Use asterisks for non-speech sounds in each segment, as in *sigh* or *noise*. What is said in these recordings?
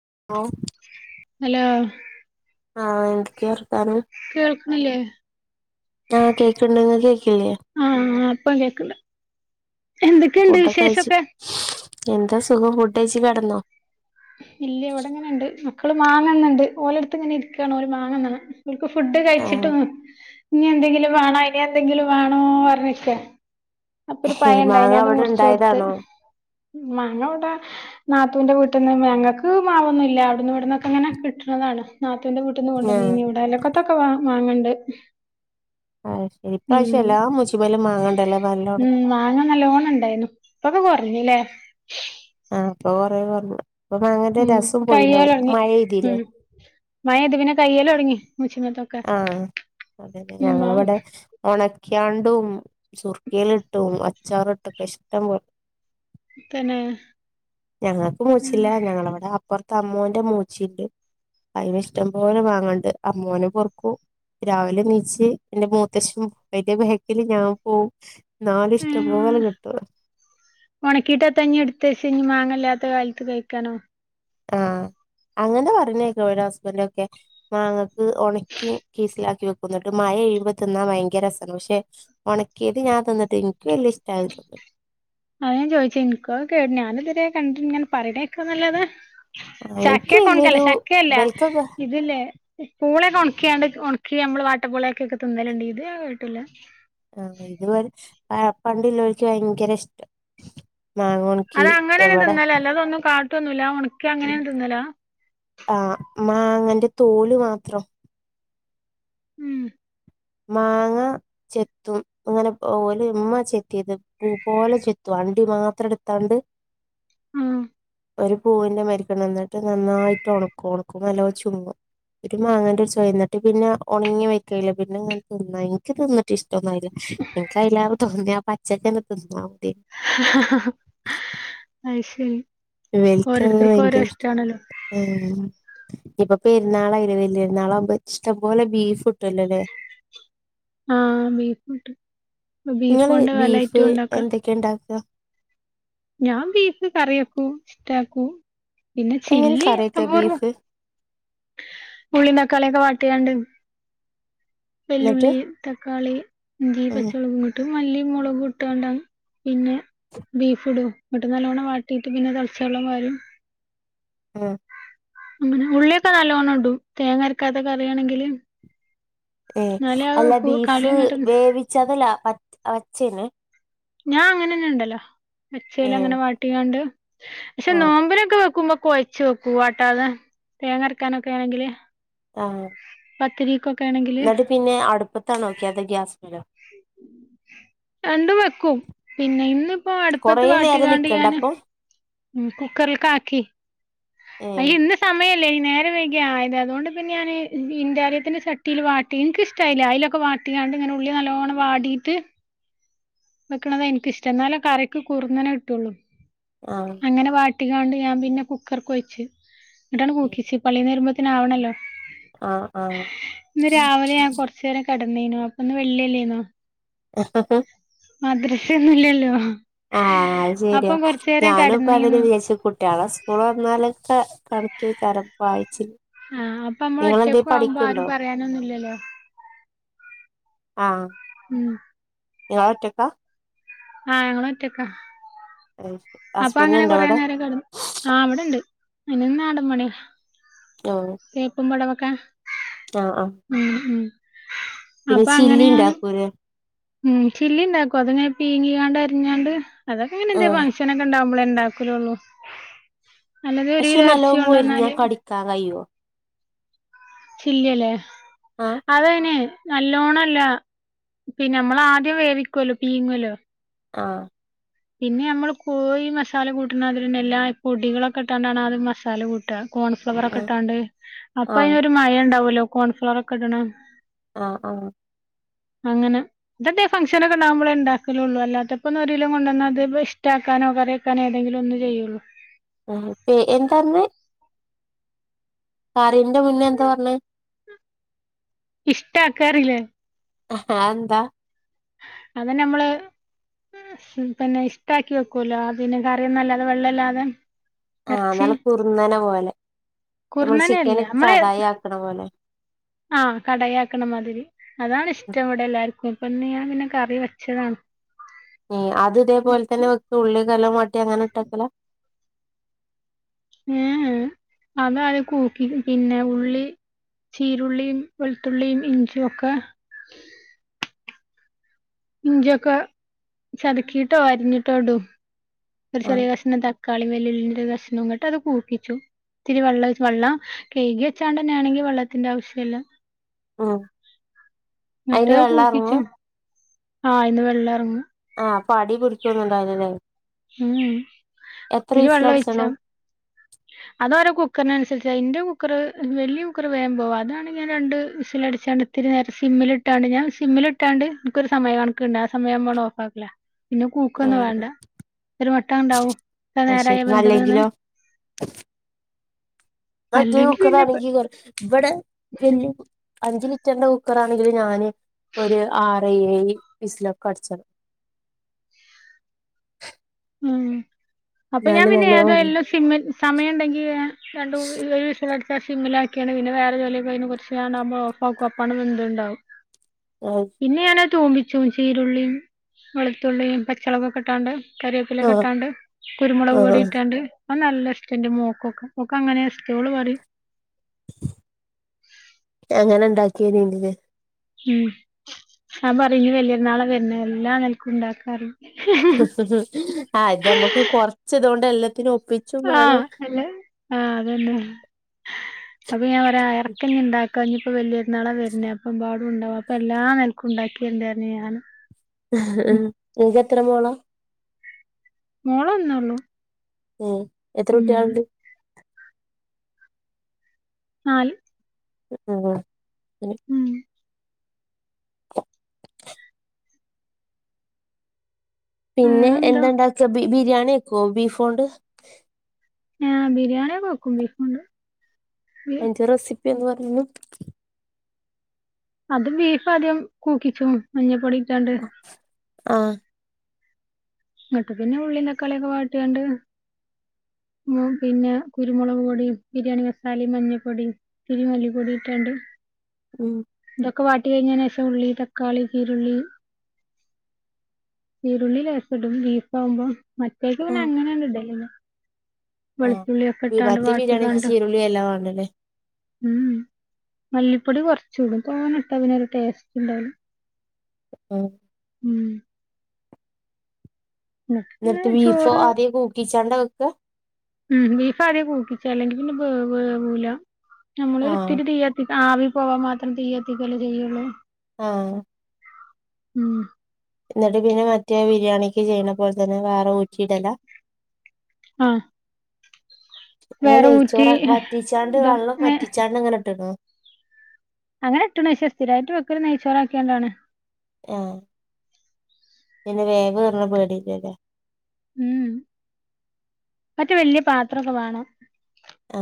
*unintelligible* Hello ആ എന്തൊക്കേ വർത്താനം കേൾക്ക്ണില്ലേ ആ കേക്ക്ണ്ട് നി ആ ആ ഇപ്പം കേക്ക്ണ്ട് എന്തൊക്കെയുണ്ട് ഫുഡൊക്കെ കഴിച്ച് വിശേഷൊക്കെ എന്താ സുഖം ഫുഡ്കഴിച്ച് കെടന്നോ ഇല്ല എവിടെങ്ങനെ ഉണ്ട് മക്കള് മാങ്ങന്ന്ണ്ട് ഓലടുത്ത് ഇങ്ങനെ ഇരിക്കാണ് ഓര് മാങ്ങന്ന്ണ് ഓൽക്ക് ഫുഡ് കഴിച്ചിട്ടും ആഹ് ഇനി എന്തെങ്കിലും വേണോ ഇനി എന്തെങ്കിലും വേണോ ഇരിപറഞ്ഞിരിക്കാ അപ്പൊ ഒരു പഴം മാങ്ങ ഇണ്ടായിനരുന്നു അത് അവിടെ മുറിച്ച് കൊടുത്തു ഇണ്ടായതാണോ മാങ്ങ ഇവിടെ നാത്തുന്റെ വീട്ടിന്ന് ഞങ്ങൾക്ക് മാവൊന്നും ഇല്ല അവിടന്ന് ഇവിടുന്നൊക്കെ ഇങ്ങനെ കിട്ടണതാണ് നാത്തൂൻ്റെ വീട്ടന്ന് ആഹ് കൊണ്ടുവനീനു ഇവിടെ അലോക്കത്തക്കെ വാ മാങ്ങണ്ട് അത് ശരി ഇ ഉം പ്രാവശ്യം എല്ലാം മൂച്ചി മ്മലും മാങ്ങണ്ടല്ലോ നല്ലോ ഉം മാങ്ങ നല്ലോണം ഉണ്ടായിരുന്നു ഇപ്പൊക്കെ കുറഞ്ഞല്ലേ ഇപ്പം കുറേ കൊറഞ്ഞു ഇപ്പൊ മാങ്ങന്റെ ഉം രസം പോയിണ്ടാവും കയ്യാലൊടുങ്ങി ഉം മഴെയ്തില്ലേ മഴഴേത് പിന്നെ കയ്യാലടുങ്ങി ആഹ് അതന്നെ ഉം ആ ഞങ്ങളിവിടെ ഉണക്കിയാ ഇടും സുർക്കേലിട്ടും അച്ചാറിട്ടൊക്കെ ഇഷ്ടം തന്നെ ഞങ്ങക്ക് മൂച്ചില്ല ഞങ്ങളവിടെ അ അപൊർത്ത് അമ്മോന്റെ മൂച്ചിണ്ട് അയ്മേ ഇഷ്ടംപോലെ മാങ്ങണ്ട് അമ്മോനും പൊർക്കും രാവിലെ നീച്ച് എന്റെ മൂത്തച്ചിം അയ്ന്റെ ബേക്കില് ഞാനും പോകവ ഉം ഉണക്കീട്ട *unintelligible* എടുത്ത് വെച്ച് ഞ് മാങ്ങല്ലാത്ത കാലത്ത് കഴിക്കാനോ ആ അങ്ങനെ പറിണേക്ക ടെ ഹസ്ബൻ്റൊക്കെ മാങ്ങക്ക് ഉണക്കി കീസിലാക്കി വെക്കും ന്നിട്ട് മഴ പെയുമ്പോ തിന്നാ ഭയങ്കര രസമാണ് പക്ഷെ ഉണക്കിയത് ഞാൻ തിന്നിട്ട് എനിക്ക് വല്ല്യ ഇഷ്ട്ടായതോ അതാ ഞാൻ ചോഴ്ച്ചത് ഇൻകോ കേട് ഞാനിതുവരെ കണ്ടിട്ട് ഇങ്ങനെ പറിണേക്കാല്ലാതെ ആഹ് ഇൻക്ക് ചക്കേ കൊണ്ടല്ല വല്യൊരു ചക്കയല്ല ഇബൽക്കൊക്കെ ഇത് ല്ലേ പൂളയൊക്ക ഉണക്കിയാണ്ട് ഉണക്കി നമ്മള് വാട്ടപ്പൂളയാക്കി ഒക്കെ തിന്നല്ണ്ട് ഇത് ഞാൻ കേട്ടീല്ല ആഹ് ഇതുവരെ പ പണ്ടി ല്ലോൽക്ക് വയങ്കര ഇഷ്ട അത് അങ്ങനെ *unintelligible* തിന്നലല്ലേ അതൊന്നും കാ ട്ടൊന്നുല്ല ആ ഒണ ആ മാങ്ങനെ തോല് മാത്രം ഉം മാങ്ങ ചെത്തും ങ്ങനെ ഓലും ഇമ്മ ചെത്തിയത് പൂ പോലെ ചെത്തും അണ്ടി മാത്രം എട്ത്താണ്ട് ആ ഒരു പൂവിന്റെ മാരിക്കന്നെ എന്നിട്ട് നന്നായിട്ട് ഒണക്കും ഒണക്കുമ്മൊ നല്ലോം ചുങ്ങും ഒരു മാങ്ങന്റെ ഒരു ചൊയ ഇന്നെട്ട് പിന്നെ ഒണങ്ങി മായ്ക്കായ്ലെ പിന്നെ ഇങ്ങനെ തിന്ന എനിക്ക് തിന്നിട്ട് ഇഷ് ട്ടൊന്നു ആയ്ല ഇൻക്ക് അയ്‌ലേറെ തോന്നി ആ പ ചക്കന്നെ തിന്നാ മതി അയ്ശ് ഉം ഇവെൽക്ക *inaudible* വയങ്കര ഇഷ്ടാ ഇനിപ്പൊ പെരുനാളായിലെ വല്യര്ന്നാളാവുമ്പൊ ഇഷ്ടംപോലെ ബീഫ്ട്ടൊല്ലോ ലേ ആഹ് ബീഫ്ട്ടും ഇങ്ങള് ബീഫ് എന്തൊക്കെ ഇണ്ടാക്ക ഞാൻ ബീഫ് കറിയക്കും ഇഷ്ടാക്കൂ പിന്നെ എങ്ങനെ ചില്ലി കറി വെക്കാ അപൂർവ ബീഫ് ഉള്ളിം തക്കാള്യൊക്കെ വാട്ടിയാണ്ട് എന്നിട്ട് വല്ലുളളി തക്കാളി ഇഞ്ചി ഉം പച്ചൊളകുങ്ങട്ടും മല്ലി മുളകും ഇട്ടാണ്ട് അ പിന്നെ ബീഫ് ഇടും ഇന്നട്ട് നല്ലോണം വാട്ടീട്ട് പിന്നെ തളച്ച വെള്ളം പാരും ആ അങ്ങനെ ഉള്ളിയൊക്കെ നല്ലോണം ഇടു തേങ്ങ അരക്കാത്ത കറിയാണെങ്കില് ഏ എന്നാലേ ആ അല്ല കറി ബീഫ് ഇങ്ങോട്ട് വേവിച്ചതല്ല അവച്ചേനെ ഞാ അങ്ങനെന്നെ ഇണ്ടല്ലോ ഏ അച്ചേല് അങ്ങനെ വാട്ടിങ്ങാണ്ട് പക്ഷെ ആ നോമ്പിനൊക്കെ വെക്കുമ്പം കൊഴച്ച് വെക്കൂ വാട്ടാതെ തേങ്ങരക്കാനൊക്കെ ആണെങ്കില് പത്തിരിക്കൊ ഇന്നിട്ട് പിന്നെ അടുപ്പത്താണൊ ക്ക്യ അതേ ഗ്യാസ് മലോ രണ്ടും വെക്കും പിന്നെ ഇന്ന് കൊറേ നേരം നിക്കണ്ടെ അപ്പൊ ഉം കുക്കറിക്ക് ആക്കി ഏ അയ്യോ ഇന്ന് സമയം. അല്ലേ നേരെ വൈകി ആയത്, അതുകൊണ്ട് പിന്നെ ഞാന് ഇന്റാലിയത്തിന്റെ ചട്ടിയില് വാട്ടി എനിക്ക് ഇഷ്ടായില്ല, അതിലൊക്കെ വാട്ടിയേണ്ട് ഇങ്ങനെ ഉള്ളി നല്ലോണ്ണം വാടിയിട്ട്. വെക്കണത് എനിക്കിഷ്ടം എന്നാലേ കറക്ക് കുർന്നെനെ കിട്ടുള്ളൂ. ആഹ് ട്ടിയെണ്ട് ഞാൻ പിന്നെ കുക്കർക്ക് വെച്ച്, എന്നിട്ടാണ് കുക്കിച്ച് പള്ളിന്ന് വരുമ്പോത്തേനും ആവണല്ലോ. ആഹ് ആഹ് കിടന്നെനോ അപ്പൊന്ന് വെള്ളിയല്ലേന്നോ. മദ്രസ ഒന്നുല്ലല്ലോ ആഹ് അത് ശരിയാ ഞാനും ഇപ്പ അത് തന്നെ കെടന്നീന്നു വിചാരിച്ചു കുട്ടിയാളെ സ്കൂൾ തുറന്നാലോക്കെ പഠ ക്ക് കാരപ്പായി. ആഹ് അപ്പൊ നമ്മൾ ഒറ്റക്കു ആവുമ്പോ ആരും പറയാനൊന്നുല്ലല്ലോ. ആഹ്. ഉം. നിങ്ങൾ ഒറ്റയ്ക്കാ? ആഹ് ഞങ്ങള് ഒറ്റക്കാ? അത് ശരി. അപ്പൊ ഹസ്ബൻഡ് അങ്ങനെ ഇണ്ടോ കൊറേ അവിടെ നേരം കെടന്നു. ആഹ് ഇവിടണ്ട്. അയ്ന് നാടൻ പണ്യാ. ആ തേപ്പും പടവൊ ക്കെ ആ ആ ഉം ഉം. പിന്നെ അപ്പൊ അങ്ങനെ ചില്ലി ഞാന് ഇണ്ടാക്കൂലേ? ഉം, ചില്ലിണ്ടാക്കും അതിനെ പീങ്ങിയാണ്ട് അരിഞ്ഞാണ്ട് ആ അതൊക്കെങ്ങനെന്തേ ഫങ്ഷന് ഒക്കെ ഇണ്ടാവുമ്പളേ ഇണ്ടാക്കലൊള്ളൂ. അല്ലാതെ ഒരു പക്ഷേ കിലോ എറച്ചി നല്ലോം മൊരിഞ്ഞാ കൊണ്ടന്നാല് കടിക്കാൻ കയ്യോ? ചില്ലിയല്ലേ? ആ അതാന് നല്ലോണം അല്ല പിന്നെ നമ്മൾ ആദ്യം വേവിക്കോല്ലോ പീങ്ങൊല്ലോ ആഹ് പിന്നെ നമ്മൾ കോഴി മസാല കൂട്ടണരതിന്ന എല്ലാ പൊടികളൊക്കെ ഇട്ടാണ്ടാണ് അത് മസാല കൂട്ട കോൺഫ്ലവർ ഒക്കെ ആഹ് ഇട്ടാണ്ട് അപ്പൊ അയിനൊരു മയാ ഉണ്ടാവല്ലോ കൊൺഫ്ലർ ഒക്കെ ഇടണ ആഹ് ആഹ് അങ്ങനെ ഇതട്ടെ ഫങ്ഷന് ഒക്കെണ്ടകുമ്പോ ഉണ്ടാക്കലള്ളൂ അല്ലാത്തപ്പോ ഒരു കിലോ കൊണ്ട വന്നാ അത് ഇഷ്ടക്കാനോ കറിക്കാനോ ഏതെങ്കിലും ഒന്ന് ചെയ്യുള്ളൂ ഉം പ്പ് എന്താര്ന്ന് കറിന്റെ മുന്നേ എന്താ പറന്നെ ഇഷ്ട ആക്കാറില്ലേ ആഹ് അതെന്താ അത് നമ്മൾ പിന്നെ ഇഷ്ടക്കി വെക്കോല്ലോ പിന്നെ കറിയൊന്നുല്ലാതെ വെള്ളോല്ലാതെ ആഹ നല്ല കുറുന്നനെ പോലെ നമ്മള് ചിക്കന് കടായി ആക്കണ പോലെ ആഹ കടായിയാക്കണമാതിരി അതാണ് ഇഷ്ടം ഇവിടെ എല്ലാർക്കും ഇപ്പം പിന്നെ ഞാൻ പിന്നെ കറി വെച്ചതാണ് ഉം അത് ഇതേപോലെ തന്നെ വെക്കൊള് *unintelligible* *unintelligible* അങ്ങനട്ടാക്കല്ല *unintelligible* അതായത് കൂക്കി പിന്നെ ഉള്ളി ചീരുള്ളിയും വെളുത്തുള്ളിയും ഇഞ്ചിയും ഒക്കെ ഇഞ്ചിയൊക്ക ചതുക്കിട്ടോ അരിഞ്ഞിട്ടോടും ഒരു ചെറിയ ആഹ് കഷ്ണം തക്- ക്കാളി വല്ലുള്ളിന്റെ കഷ്നവും ഇങ്ങോട്ട് അത് കൂപ്പിച്ചു ഇച്ചിരി വെള്ളം ഒഴിച്ച് വെള്ളം കഴുകി വെച്ചാണ്ട് തന്നെ ആണെങ്കി വെള്ളത്തിന്റെ ആവശ്യ ഇല്ല ആ അയിന് വെള്ളം എറങ്ങു ആയിന്ന് വെള്ളം എറങ്ങും ആഹ് അപ്പൊ അടി പിടിക്കുംന്നുണ്ടായില്ലല്ലേ ഉം ഒത്തിരി വെള്ളം ഒഴിച്ചാ വിസിലടിച്ചണം അത് ഓരോ കുക്കറിന്നുസരിച്ച യെന്റെ കുക്കർ വലിയ കുക്കർ വേഗം പോകും അതാണ് ഞാൻ രണ്ട് വിസില് അടിച്ചാണ്ട് ഇത്തിരി നേരം സിമ്മില് ഇട്ടാണ്ട് ഞാൻ സിമ്മില് ഇട്ടാണ്ട് ന്ക്കൊരു സമയ കണക്കണ്ട് ആ സമയംആവുമ്പണ് ഓഫ് ആക്കല് പിന്നെ കൂക്കൊന്നും ഏഹ് വേണ്ട ഒരു വട്ടം ഉണ്ടാവും ഇത്ര അത് നേരായ ശരി വെന്താണന്നു അല്ലെങ്കിലോ മറ്റേ അല്ലെങ്കി കുക്കർ പിന്നെ പെ ആണെങ്കി ഇവിടെ വല്യ അഞ്ചു ലിറ്ററിന്റെ കുക്കറാണെങ്കില് ഞാന് ഒരു ആറ് ഏഴു വിസിലൊക്കെ അടിച്ചത് മം അപ്പൊ ഞാൻ പിന്നെ നല്ലോം ഏതോ വേ എല്ലാം സിമ്മിൽ സമയംണ്ടെങ്കി രണ്ടുമൂന്നു ഒരുവിസിൽ അടിച്ച- സിമ്മിലാക്കിയാണ് പിന്നെ വേറെ ജോലി കയിഞ്ഞ് കെറച്ച് കയിഞ്ഞാണ്ട് ഓഫ്‌ ആക്കും അപ്പൊ വെന്തു ഉണ്ടാവും ആഹ് പിന്നെ ഞാന് തൂമ്പിച്ചും ചീരുള്ളിയും വെളുത്തുള്ളിയും പച്ചളവ്‌ക്ക് ഇട്ടാണ്ട് കറിവേപ്പിലക്കെ ഇട്ടാണ്ട് കുരുമുളക് ആഹ് പൊടി ഇട്ടാണ്ട് ആ നല്ല ഇഷ്ടന്റെ മോക്കൊക്കെ മോക്ക അങ്ങനെ ഇഷ്ടോ ഓള് പറയും അങ്ങനെ ഉണ്ടാക്കി വരണ്ടത് ഉം ഞാൻ പറയും ഇനി വലിയപെരുന്നാൾ വരുന്ന എല്ലാം നാൾക്കും ഉണ്ടാക്കാന്ന് ആ ഇത് നമ്മുക്ക് കൊറച്ച് ഇത് കൊണ്ട് എല്ലാം ത്തിനോ ആഹ അല്ലേ ആഹ അതന്നെ *unintelligible* ഉണ്ടാക്കി കഴിഞ്ഞു ഇപ്പോ വലിയ പെരുന്നാളാ വരുന്നേ അപ്പൊ ഒരുപാടുണ്ടാവും അപ്പൊ എല്ലാം നെലക്കും ഉണ്ടാക്കിണ്ടായിരുന്നു ഞാൻ ആഹ് എത്ര മോളാ മോളൊന്നൊള്ളു മ് എത്ര കുട്ട്യാൾണ്ട് നാല് ആല്ലേ എനിക് ഉം പിന്നെ വേറെന്താ എന്തണ്ടാക്കിയെ ബി ബിരിയാണിക്കോ ബീഫോണ്ട് ആ ബിരിയാണി ഒക്കെ വെക്കും ബീഫോണ്ട് ഐന്റെ റെസിപ്പി എന്ന് പറയുന്നു അത് ബീഫാദ്യം കൂക്കിച്ചും മഞ്ഞപ്പൊടി ട്ടാണ്ട് ആ ന്നട്ട് പിന്നെ ഉള്ളീം തക്കാളിയൊക്കെ വാട്ടിയാണ്ട് മ് പിന്നെ കുരുമുളക് പൊടിം ബിരിയാണി മസാലിം മഞ്ഞപ്പൊടിം ത്തിരി മല്ലിപ്പൊടിം ഇട്ടാണ്ട് മ് ഒക്കെ വാട്ടി കഴിഞ്ഞേനേശം ഉള്ളി തക്കാളി കീരുള്ളി കീരുള്ളി ലേ ടും ബീഫാവുമ്പോ മറ്റേക്ക് പിന്നെ അങ്ങനെയാണ്ട് ഡെലിവ് ആ ബി മറ്റേ ബിരിയാണീക്ക് വാട്ടിക്കാണ്ട് ചീരുള്ളി വല്ലാമാണ്ടലേ ഉം മല്ലിപ്പൊടി കുറച്ച്ടും തോനട്ട പിന്നൊരു ടേസ്റ്റ് ഉണ്ടാവൂ മ്ഹ് മ് പിന്നെ ന്നിട്ട് ബീഫോ ആദ്യേ കൂക്കിച്ചാണ്ട വെ ന്താ മ് ബീഫ് ആദ്യേ കൂക്കിച്ച അല്ലെങ്കി പിന്നെ വേ വേവൂല ആഹ് നമ്മളൊരുത്തിരി തീകത്തി ആവി പോവാൻ മാത്രം തീയത്തിക്കല്ലേ ചെയ്യൊള്ളൂ ആ മ് എന്നിട്ട് പിന്നെ മറ്റേ ബിരിയാണിക്ക് ചെയ്യണ പോലെ തന്നെ വേറെ ഊറ്റിയിടലാ ആ ഓ നെയ്ച്ചോറ് വറ്റിച്ചാണ്ട് ഇത വെള്ളം വറ്റിച്ചാണ്ട് അങ്ങനെ ഇട്ട്ണോ അങ്ങനെ ഇട്ട്ണ് ശെ സ്ഥിരായിട്ട് വെക്കൽ നെയ്ച്ചോറാക്കിയാണ്ടാണ് ആ പിന്നെ വേവേർണ പേടില്ലലേ മ് മറ്റേ വല്യ പാത്രൊക്കെ വേണം ആ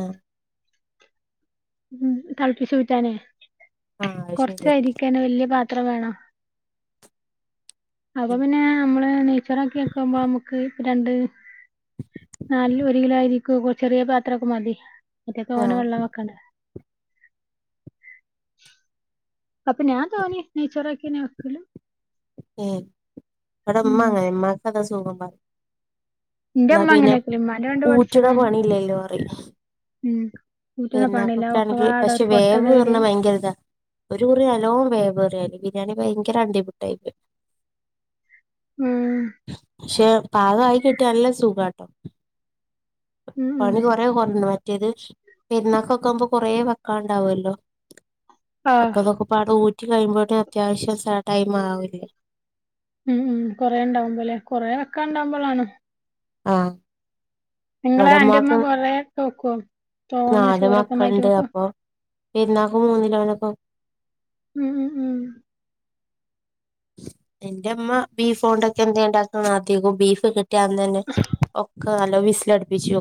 ഉം തളപ്പിച്ചൂറ്റാന് ആഹ് അത് ശെരിയാ കുറച്ചയിരിക്കെന്നെ വല്യ പാ ത്ര വേണം അപ്പൊ പിന്നേ നമ്മള് നെയ്ച്ചൊറാ ക്കി വെക്കുമ്പോ മ്മക്ക് രണ്ട് നാലില് ഒരു കിലോ അരിക്കൊകെ ചെറിയ പാത്രൊക്കെ മതി മറ്റെ തോനെ ആഹ് വെള്ളം വെക്കണ്ടെ അപ്പൊ ഞാ തോനി നെയ്‌ച്ചോറാക്കി ഇയ്യന്നെ വെക്കലു ഏഹ് അവ്ടെ ഉമ്മ അങ്ങനെ ഉമ്മാക്കതാ ഇഷ് *unintelligible* ന്നാ ഇന്റെമ്മ അങ്ങനെ പിന്നെ വെക്കല് ഇമ്മാന്റെ പണ്ട് ഊറ്റ്ണ പഠിച്ചതാ ഞാൻ പണിയില്ലലോ അറ ഉം വീട്ടിന്ന് പണില്ല പെരുന്നാക്കൊക്കെ ആണെങ്കി ഒക്കെപാടെ ഒരു പഷേ വേവേറ്ണ കൊട്ടകയില് ഭയങ്കര ഇതാ ഒരു കുറി നല്ലോ വേവ് ഏറി അരി ഞാന് ഭയങ്കര അണ്ടിപുട്ടായിപോയി ഉം പാകായി കിട്ടിയ അല്ല സുഖാട്ടോ ഉം ഉം പണി കൊറേ കൊറന്ന മാരി മറ്റേദ് പെരുന്നാകൊക്കാവുമ്പോ കുറേ വെക്കാണ്ടാവോലോ ആഹ് അക്കൊതൊക്കെപാടെ ഊറ്റി കയ്യുമ്പാടെ അത്യാവശ്യം സ ടൈമാവൂലെ മാ കണ്ടപളാണ് ആഹ് നിങ്ങളേ അന്റെമ്മ ഇവിടെമ്മാക്ക് കൊറേ തോക്കൊ തോനെ നാല് ചോറൊക്കൊന്നായിട്ട് മക്കളുണ്ട് നോക്കോ അപ്പൊ പെരുന്നാക്ക് മൂന്നിലോനൊക്കെ ഉം ഉം ഉം എന്റെ ഇമ്മ ബീഫോണ്ടൊക്കെ എന്തെ ഇണ്ടാക്ക്ണ അതികം ബീഫ് കി ട്ടിയന്നെന്നെ ഒക്കെ നല്ലം വിസ് ലട്പ്പിച്ചോ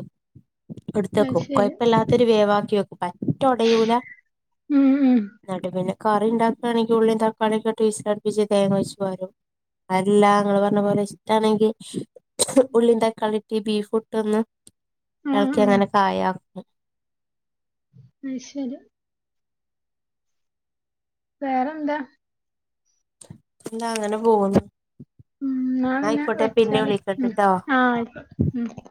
അത് ഇട്ത്തേക്കും ശരി കുഴപ്പല്ലാത്തൊരു വേവാ *unintelligible* പയെ റ്റൊടയൂല ഉം ഉം നടുവിന് കറി ഇണ്ടാക്കാണെങ്കി ഉള്ളി തക്കാളിക്കെ ഇട്ട് വിസിലടുപ്പിക്ക ജ് തേങ്ങ ഒയ്ച്ച് പാരോ അല്ലാ ങ്ങള് പറഞ്ഞ പോലെ ഇഷ്ടാണെങ്കി ഉള്ളീം തക്കാളിട്ട് ഈ ബീഫ് ഇട്ടൊന്ന് ആഹ് എളക്കിയങ്ങനെ കായാ അയ് ശരി വേറെന്താ എന്താ അങ്ങനെ പോകുന്ന് ഉ നാളഞാവെച്ചാല് ഉ വിളിക്കണ്ട്ട്ടോ ആ ആയിക്കോട്ട് ഉ